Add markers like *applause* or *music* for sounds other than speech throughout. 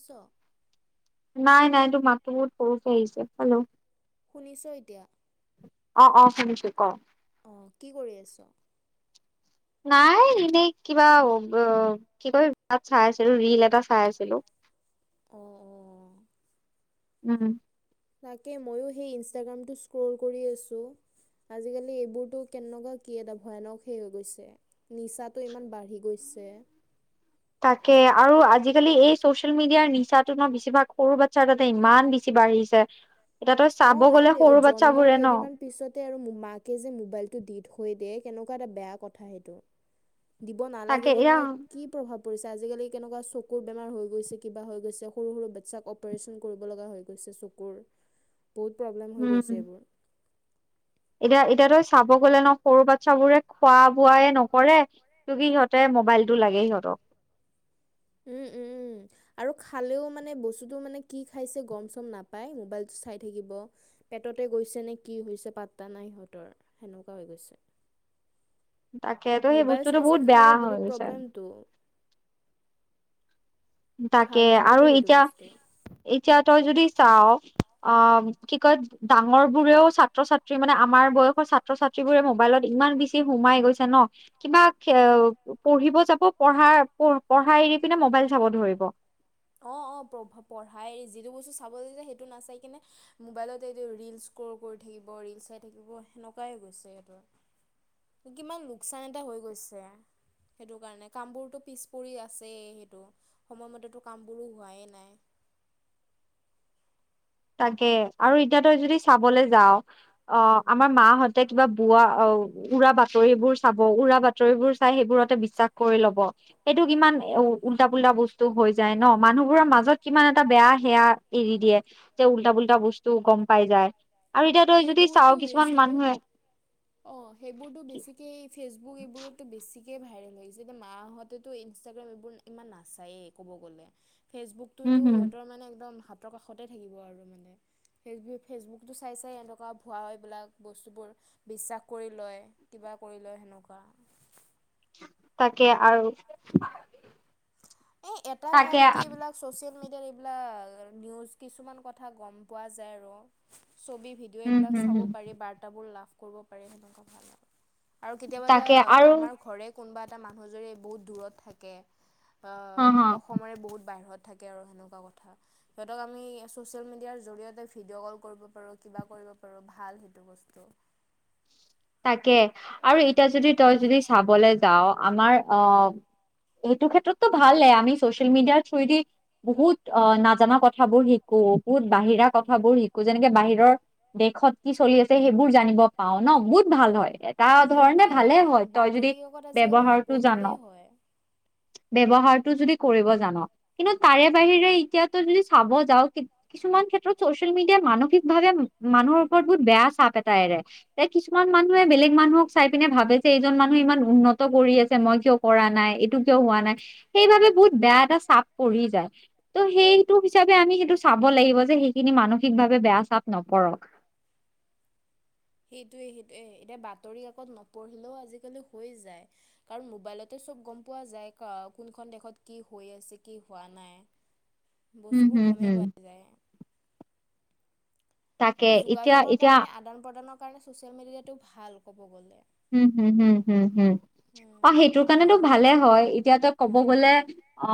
ছ নাই নাই তোৰ মাটো বহুত সৰুকে আহিছে, হেল্ল শুনিছ ইতিয়া। অঁ অঁ শুনিছো ক। অঁ কি কৰি আছ? নাই এনেই কিবা বব কি কয় তাত চাই আছিলো ৰিল এটা চাই আছিলো। অঁ অঁ অ। উম। তাকে ময়ো সেই ইনষ্টাগ্ৰামটো স্ক্ৰল কৰি আছোঁ। আজিকালি এইবোৰতো কেনেকুৱা কি এটা ভয়ানক হেই হৈ গৈছে। নিচাটো ইমান বাঢ়ি গৈছে। তাকে আৰু আজিকালি এই চচিয়েল মিডিয়াৰ নিচাটো ন বেছিভাগ সৰু বাচ্ছাৰ তাতে ইমান বি ছি বাঢ়িছে, এতিয়া তই চাব গ'লে সৰু বাচ্ছাবোৰে ন পিছতে আৰু মাকে যে মোবাইলটো দি থৈ দে কেনকুৱা এটা বেয়া কথা সেইটো। দিব নালাগে কেনকা কি প্ৰভাৱ পৰিছে আজিকালি কেনকা চকুৰ বেমাৰ হৈ গৈছে কিবা হৈ গৈছে সৰু সৰু বাতচ্ছাকক অ পাৰেচন কৰিব লগা হৈ গৈছে চকুৰ, বহুত প্ৰব্লেম হৈ গৈছে এইবোৰ। এতিয়া এতিয়া তয় চাব গলে ন সৰু বাতচ্ছাবোৰে খোৱা বোৱাই নকৰে। টো ভি সিহঁতে মোবাইলটো লাগে সিহঁতক। উম উম উম। আৰু খালেও মানে বোছোটো মানে কি খাইছে গম চম নাপাই মোবাইলত চাই থাকিব। পেটতে গৈছে নে কি হৈছে পাত্তা নাই সিহঁতৰ সেনেকুৱা হৈ গৈছে। মোবাইল চাই চাই খালে বহুত প্ৰব্লেমটো। তাকে আৰু এতিয়া এতিয়া তই যদি চাৱ অ কি কয় ডাঙৰ বোৰেও ছাত্ৰ-ছাত্ৰী মানে আমাৰ বয়সৰ ছাএ ছাত্ৰ-ছাত্ৰীবোৰে মোবাইলত ইমান বেছি সোমাই গৈছে ন কিবা খে পঢ়িব যাব পঢ়াৰ পঢ়া এৰি পিনে মোবাইল চাব ধৰিব। অ অ পভ পঢ়াই যিটো বস্তু চাব লৈ দিছে সেইটো নাচাই কিনে মোবাইলতে এইটো ৰিল স্ক্ৰল' কৰি থাকিব ৰিল চাই থাকিব সেনেকুৱাই গৈছে সিহঁতৰ। কিমান লোকচান এটা হৈ গৈছে। সেইটো কাৰণে কামবোৰতো পিছ পৰি আছে সেইটো সময়মতেটো কামবোৰো হোৱাই নাই। তাকে আৰু এতিয়া তই যদি চাবলৈ যাওঁ অ আমাৰ মাহঁতে কিবা বোৱা অ উৰা বাতৰিবোৰ চাব উৰা বাতৰিবোৰ চাই সেইবোৰতে বিশ্বাস কৰি ল'ব। সেইটো কিমান এ উল্টা-পুল্টা বস্তু হৈ যায় ন মানুহবোৰৰ মাজত কিমান এটা বেয়া সেয়া এৰি দিয়ে যে উল্টা-পুল্টা বস্তু গম পাই যায়। আৰু এতিয়া তই যদি চাও কিছুমান মানুহে অ সেইবোৰতো বেছিকে ফেচবুক এইবোৰতো বেছি কে ভাইৰেল হৈ গৈছে এতিয়া মাহঁতেতো ইনষ্টাগ্ৰাম এইবোৰ ইমান নাচায়েই ক'ব গ'লে ই ফেচবুক তোটো সিহঁতৰ মানে একদম হাতৰ কাষতে থাকিব আৰু মানে ফেচবুক ফেচবুকটো চাই চাই এনেকুৱা ভুৱা এইবিলাক বস্তুবোৰ বিশ্বাস কৰি লয় কিবা কৰি লয় সেনেকুৱা। তাকে আৰু এ এটা ভাল কি এইবিলাক চচিয়েল মিডিয়াৰ এইবিলাক আৰু নিউজ কিছুমান কথা গম পোৱা যায় আৰু ছবি ভিড যদিও এইবিলাক চাব পাৰি বাৰ্তাবোৰ লাভ কৰিব পাৰে সেনেকুৱা ভাল আৰু। আৰু কেতিয়াবা যে আমাৰ ঘৰে কোনোবা এটা মানুহ যদি বহুত দূৰত থাকে অ ও অসমৰে বহুত বাহিৰত থাকে আৰু সেনেকুৱা কথা। সিহঁতক আমি চচিয়েল মিডিয়াৰ জৰিয়তে ভিডিঅ' কল কৰিব পাৰোঁ কিবা কৰিব পাৰোঁ ভাল সেইটো বস্তু। তাকে আৰু এতিয়া যদি তই যদি চাবলৈ যাও আমাৰ অ অ এইটো ক্ষেত্ৰততো ভালেই আমি চচিয়েল মিডিয়াৰ থ্ৰুয়েদি বহুত অ নাজানা কথাবোৰ শিক বহুত বাহিৰা কথাবোৰ শিক কো যেনেকে বাহিৰৰ দেশত কি চলি আছে সেইবোৰ জানিব পাওঁ ন বহুত ভাল হয়। তাৰ ধৰণে ভালে হয় তই যদি ব্যৱহাৰটো জান। ব্যৱহাৰটো যদি কৰিব জান। কিন্তু তাৰে বাহিৰে এতিয়াতো তই যদি চাব যাওঁ কি কিছুমান ক্ষেত্ৰত চচিয়েল মিডিয়া মানসিকভাৱে মানুহৰ ওপৰত বহুত বেয়া চাপ এটা এৰে এই কিছু কিছুমান মানুহে বেলেগ মানুহক চাই পিনে ভাবে যে এইজন মানুহে ইমান উন্নত কৰি আছে মই কিয় কৰা নাই এইটো কিয় হোৱা নাই সেইবাবে বহুত বেয়া এটা চাপ পৰি যায়। ত' সেইটো হিচাপে আমি সেইটো চাব লাগিব যে সেইখিনি মানসিকভাৱে বেয়া চাপ নপৰক। সেইটোৱে সেইটোৱে এতিয়া বাতৰি কাকত নপঢ়িলেও আজিকালি হৈয়ে যায়। কাৰণ মোবাইলতে চব গম পোৱা যায় কা কোনখন দেশত কি হৈ আছে কি হোৱা নাই। বস্তু বোৰ গমেই পোৱা যায়। যোগাযোগৰ কাৰণে আদান-প্ৰদানৰ কাৰণে চচিয়েল মিডিয়টো ভাল ক'ব গ'লে। উম হুম হুম হুম হুম অ সেইটোৰ কাৰণেতো ভালে হয় এতিয়া তই ক'ব গলে অ অ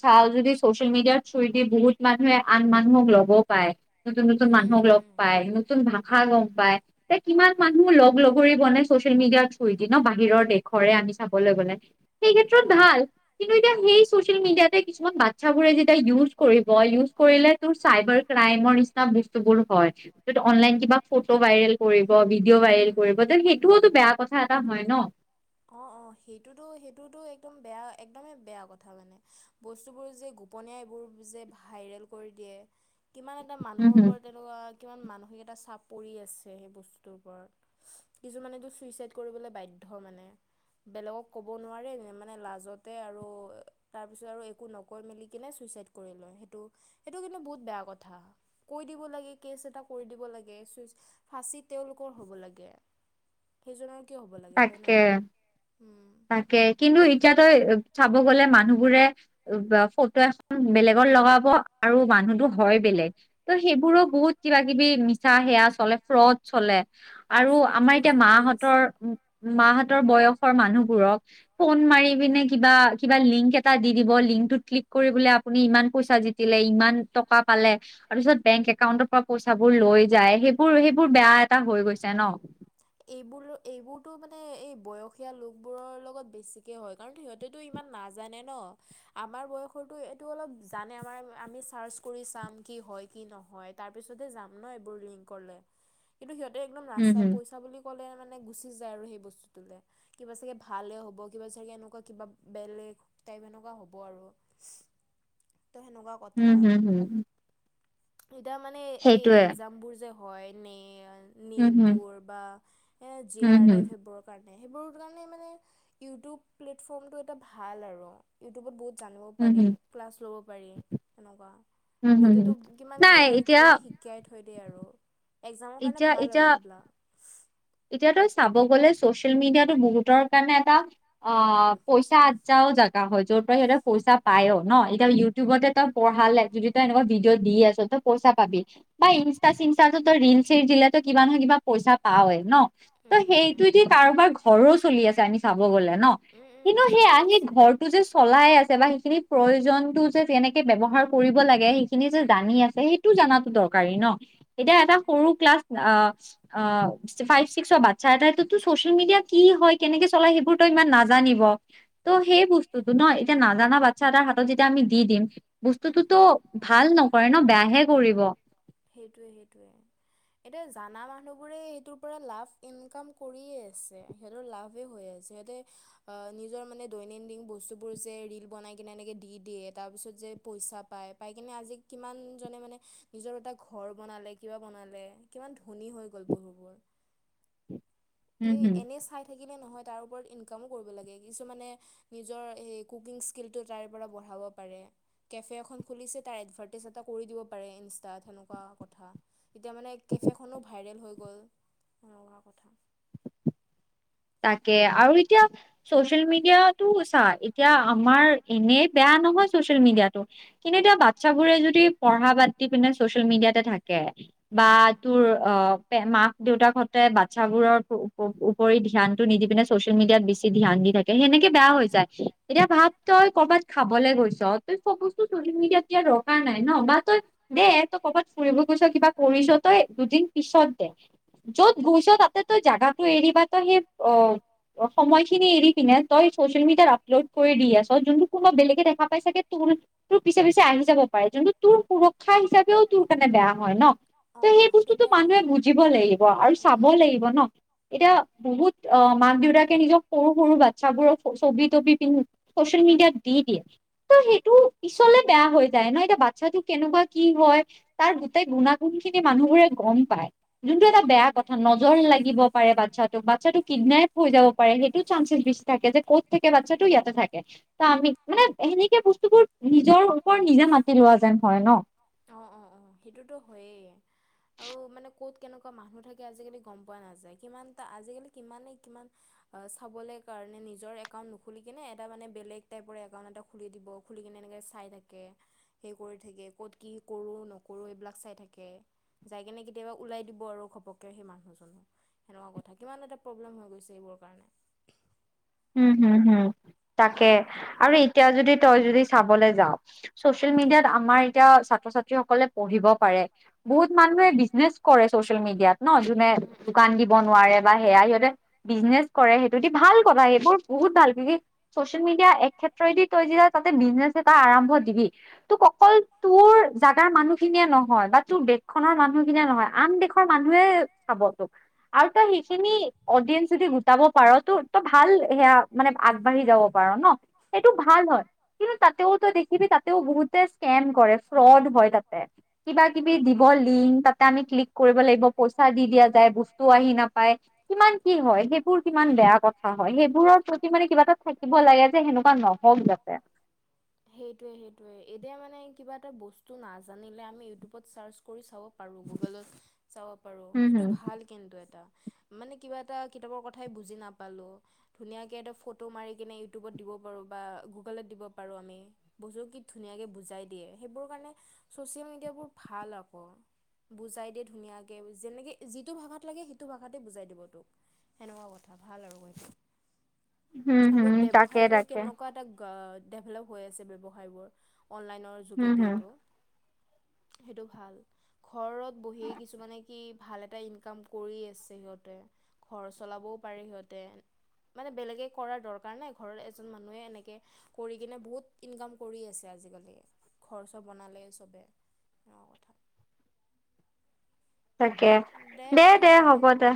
চাও যদি চচিয়েল মিডিয়াৰ থ্ৰুয়েদি বহুত মানুহে আন মানুহক লগো পায়। নতুন নতুন মানুহক লগ পাই নতুন ভাষা গ'ম পাই। এই কিমান মানুহ লগ লগৰি বনাইছে ছ'চিয়েল মিডিয়াৰ থ্ৰুয়েদি ন বাহিৰৰ দেশৰে আমি চাবলৈ গ'লে সেই ক্ষেত্ৰত ভাল। কিন্তু, এতিয়া সেই ছ'চিয়েল মিডিয়াতে কিছুমান বাচ্চাবোৰে যেতিয়া ইউজ কৰিব ইউজ কৰিলে তোৰ চাইবাৰ ক্ৰাইমৰ নিচিনা দৃষ্টিবোৰ হয়। অনলাইন কিবা ফ ফটো ভাইৰেল কৰিব, ভিডিঅ' ভাইৰেল কৰিব সেইটোওতো এটা বেয়া কথা এটা হয় ন। অ' অ' সেইটোতো সেইটোতো একদম বেয়া একদমেই বেয়া কথা মানে। বস্তুবোৰ যে গোপনে এইবোৰ যে ভাইৰেল কৰি দিয়ে কিমান এটা মানুহৰ ওপৰত তেনেকুৱা কিমান মানসিক এটা চাপ পৰি আছে। সেই বস্তুটোৰ ওপৰত। কিছুমানেতো চুইচাইদ কৰিবলৈ বাধ্য মানে। বেলেগক ক'ব নোৱাৰে মানে লাজতে আৰু তাৰ পিছত আৰু একো নকৈ মেলি কিনে চুইচাইদ। কৰি লয় সেইটো সেইটো কিন্তু বহুত বেয়া কথা। কৈ দিব লাগে, কেচ এটা কৰি দিব লাগে, চুইচ ফাঁচি তেওঁলোকৰ হ'ব লাগে। সেইজনৰ কিয় হ'ব লাগে হয় নাই? তাকে কিন্তু এতিয়াত তই চাব গ'লে মানুহবোৰে বা ফটো এখন বেলেগত লগাব আৰু মানুহতো হয় বেলেগ। তোৰ সেইবোৰো বহুত কিবা কিবি মিছা সেয়া চলে ফ্ৰড। চলে আৰু আমাৰ এতিয়া মাহঁতৰ মাহঁতৰ বয়সৰ মানুহবোৰক। ফোন মাৰি পিনে কিবা লিংক এটা দি দিব, লিংকটোত ক্লিক কৰিবলে আপুনি ইমান পইচা জিতিলে ইমান টকা পালে। তাৰ পিছত বেংক একাউণ্টৰ পৰা পইচাবোৰ লৈ যায়। সেইবোৰ সেইবোৰ বেয়া এটা হৈ গৈছে ন। এইবোৰ এইবোৰতো মানে এই বয়সীয়া লোকবোৰৰ লগত বেছিকে হয়। কাৰণ সিহঁতেতো ইমান নাজানে ন। আমাৰ বয়সৰ এইটো অলপ জানে আমাৰ আমি চাৰ্চ কৰি চাম কি হয় কি নহয়। তাৰ পিছতে যাম ন এইবোৰ লিংকলে। কিন্তু সিহঁতে একদম নাচাই পইচা বুলি ক'লে মানে গুছি যায় আৰু সেই বস্তুটোলৈ। কিবা চাগে ভালে হ'ব, কিবা চাগে এনেকুৱা কিবা বেলেগ টাইপ এনেকুৱা হ'ব আৰু তোৰ সেনেকুৱা উম, হ'ম হ'ম। এতিয়া মানে এই এক্সাম বোৰ যে হয় নে নিটবোৰ অ' সেই জি আৰ এফ সেই সেইবোৰৰ কাৰণে সেইবোৰ কাৰণে মানে ইউটিউব প্লেটফৰ্মটো এটা ভাল আৰু ইউটিউবত বহুত জানিব পাৰি, ক্লাছ ল'ব পাৰি সেনেকুৱা। বহুতেতো কিমান কিবা কিবা কিবি শিকি শিকাই থৈ দিয়ে আৰু এক্সামৰ কাৰণে ভাল আৰু এইবিলাক। এতিয়াতো চাব গ'লে ছ'চিয়েল মিডিয়াটো বহুতৰ কাৰণে এটা অ' পইচা আজ্জাও জাগা হয়, য'ৰ পৰা সিহঁতে পইচা পায়েওঁ ন। এতিয়া ইউটিউব ইটিউবতে তই পঢ়ালে, যদি তই এনেকা ভিডিঅ' দি আছোঁ, তই পইচা পাবি। বা ইনষ্টা চিনষ্টাতো ৰিল চিল দিলে তই কিবা নহয় কিবা পইচা পাৱে ন তোৰ সেইটোৱে দি কাৰোবাৰ ঘৰো চলি আছে আনি চাব গ'লে ন। কিন্তু সেই আহি ঘৰৰ টো যে চলাই আছে বা সেইখিনি প্ৰয়োজনটো যে যেনেকে ব্যৱহাৰ কৰিব লাগে। সেইখিনি যে জানি আছে। সেই টো জানাতো দৰকাৰী ন। এতিয়া এটা সৰু ক্লাছ অ' ফ্ৰাইভ ছিক্সৰ বাচ্ছা এটাইটো ছ'চিয়েল মিডিয়াত কি হয়, কেনেকে চলাই, সেইবোৰ তই ইমান নাজানিব। তোৰ সেই বস্তুটো ন এতিয়া নাজানা বাচ্ছা এটাৰ হাতত যেতিয়া আমি দি দিম। বস্তুটোতো ভাল নকৰে ন বেয়াহে কৰিব। সেইটোৱে সেইটোৱে। এতিয়া জানা মানুহবোৰে এইটোৰ পৰা লাভ ইনকাম কৰিয়ে আছে। সিহঁতৰ লাভেই হৈ আছে সিহঁতে অ নিজৰ মানে দৈনন্দিন বস্তুবোৰ যে ৰিল বনাই কিনে এনেকে দি দিয়ে তাৰ পিছত যে পইচা পায়, পাই কিনে আজি কিমান জনে মানে নিজৰ এটা ঘৰ বনালে কিবা বনালে কিমান ধনী হৈ গ'ল বহুবোৰ। এই এনেই চাই থাকিলে নহয় তাৰ ওপৰত ইনকামো কৰিব লাগে। কিছুমানে নিজৰ এই কুকিং স্কিলটো তাৰ পৰা বঢ়াব পাৰে। কেফে এখন খুলিছে তাৰ এডভাৰ্টাইজ এটা কৰি দিব পাৰে ইনষ্টাত হেনেকোৱা কথা। এতিয়া মানে কেফেখনো ভাইৰেল হৈ গ'ল এনেকুৱা কথা। তাকে আৰু এতিয়া চচিয়েল মিডিয়াতটো চা এতিয়া আমাৰ এনে বেয়া নহয় চচিয়েল মিডিয়াটো। কিন্তু এতিয়া বাচ্ছাবোৰে যদি পঢ়া বাড দি পিনে চচিয়েল মিডিয়াতে থাকে। বা তোৰ অ মাক দেউতাকহঁতে বাচ্ছাবোৰৰ উপৰি ধ্যানটো নিদি পিনে ছচিয়েল মিডিয়াত বেছি ধান দি থাক সেনেকে। বেয়া হৈ যায় এতিয়া ভাব তই কৰবাত খাবলে গৈছ তই চব বস্তু ছচিয়েল মিডিয়াত দিয়াৰ দৰকাৰ নাই ন বা তই দে তই কৰৰবাত ফুৰিব গৈছ কিবা কৰিছ তই দুদিন পিছত দে য'ত বহিছ তাতে তই জাগাটো এৰি বা তই সেই অ সময়খিনি এৰি পিনে তই চচিয়েল মিডিয়াত আপলোড কৰি দি আছ যোনটো কোনোবা বেলেগে দেখা পাই চাগে তোৰ তোৰ পিছে পিছে আহি যাব পাৰে যোনটো তোৰ সুৰক্ষা হিচাপেও তোৰ কাৰণে বেয়া হয় ন! ত সেই বস্তুতটো মানুহে বুজিব লাগিব আৰু চাব লাগিব ন এতিয়া বহুত অ মাক দেউতাকে নিজৰ সৰু সৰু বাচ্ছাবোৰৰ ছবি তবি পিন্ধি ছচিয়েল মিডিয়াত দি দিয়ে। ত সেইটো পিছলে বেয়া হৈ যায় নহ এতিয়া বাচ্ছাটো কেনেকুৱা কি হয়! তাৰ গোটেই গুণাগুণ খিনি মানুহবোৰে গম পায়। যোনটো এটা বেয়া কথা, নজৰ নাগিব পাৰে বাচ্ছাটোক বাচ্ছাটোক কিডনেপ হৈ যাব পাৰে সেইটো চান্সেছ বেছি থাকে যে ক'ত থাকে বাচ্ছাটো ইয়াতে থাকে। ত আমি মানে সেনেকে বস্তুবোৰ নিজৰ ওপৰত নিজে মাতি লোৱা যেন হয় ন! অ, অ, অ সেইটোতো হয়েই আৰু মানে ক'ত কেনেকুৱা মানুহ থাকে আজিকালি গম পোৱা নাযায়। কিমান টা আজিকালি কিমানেই কিমান অ চাবলে কাৰণে নিজৰ একাউণ্ট নুখুলি কিনে এটা মানে বেলেগ টাইপৰ একাউণ্ট এটা খুলি দিব খুলি কিনে এনেকৈ চাই থাকে সে কৰি থাকে ক'ত কি কৰোঁ নকৰোঁ এইবিলাক চাই থাকে। যাই কেনে কেতিয়াবা ওলাই দিব আৰু ঘপকে সেই মানুহজন। সেনেকুৱা কথা। কিমান এটা প্ৰব্লেম হৈ গৈছে এইবোৰৰ কাৰণে। উম হুম হুম তাকে আৰু এতিয়া যদি তই যদি চাবলে যাও ছচিয়েল মিডিয়াত আমাৰ এতিয়া ছাত্ৰ-ছাত্ৰী সকলে পঢ়িব পাৰে। বহুত মানুহে বিজনেচ কৰে ছচিয়েল মিডিয়াত। ন যোনে দোকান দিব নোৱাৰে বা সেয়া সিহঁতে বিজনেচ কৰে সেইটোদি ভাল কৰা এইবোৰ বহুত ভাল *inaudible* চচিয়েল মিডিয়া এক ক্ষেত্ৰদি তই যেতিয়া তাতে বিজনেছ এটা আৰম্ভ দিবি তোক অকল তোৰ জাগাৰ মানুহখিনিয়ে নহয় বা তোৰ দেশখনৰ মানুহখিনিয়ে নহয় আন দেশ মানুহে চাব তোক আৰু তই সেইখিনি অডিয়েন্ঞ্চ যদি গোটাব পাৰ তোৰ ত ভাল সেয়া মানে আগবাঢ়ি যাব পাৰ ন, সেইটো ভাল হয়। কিন্তু তাতেও তই দেখিবি তাতেও বহুতে স্কেম কৰে, ফ্ৰড হয় তাতে। কিবা কিবি দিব লিংক, তাতে আমি ক্লিক কৰিব লাগিব পইচা দি দিয়া যায় বস্তুও আহি নাপায়। কিমান কি হয় সেইবোৰ কিমান বেয়া কথ থা হয় সেইবোৰৰ প্ৰতি মানে কিবা এটা থাকিব লাগে যে, সেনেকুৱা নহওঁক যাতে। সেইটোৱে সেইটোৱে এতিয়া মানে কিবা এটা বস্তু নাজানিলে আমি ইউটিউবত চাৰ্চ কৰি চাব পাৰোঁ, গুগলত চাব পাৰোঁ সেইটো ভাল কিন্তু এটা। মানে কিবা এটা কিতাপৰ কথাই বুজি নাপালোঁ। ধুনীয়াকে এটা ফটো মাৰি কিনে ইউটিউবত দিব পাৰো বা গুগলত দিব পাৰো আমি বস্তুটো কি ধুনিয়াকে বুজাই দিয়ে সেইবোৰ কাৰণে ছচিয়েল মিডিয়াবোৰ ভাল আক বুজাই দিয়ে ধুনীয়াকে যেনেকে যিটো ভাষাত লাগে সেইটো ভাষাতে বুজাই দিব তোক। সেনেকুৱা কথা ভাল আৰু সৈটো আৰু ব্যৱসায় বোৰ কেনেকুৱা এটা গা ডেভেলপ হৈ আছে ব্যৱসায়বোৰ অনলাইনৰ যোগেদি এইটো। সেইটো ভাল। ঘৰত বহিয়ে কিছুমানে কি ভাল এটা ইনকাম কৰি আছে সিহঁতে। ঘৰ চলাবও পাৰে সিহঁতে। মানে বেলেগে কৰা দৰকাৰ নাই ঘৰৰ এজন মানুহে এনেকে কৰিকিনে বহুত ইনকাম কৰি আছে আজিকালি, ঘৰ-চৰ বনালে চবে। ডাঙৰ কথা তাকে, দে দে হ'ব দে।